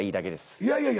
いやいやいや。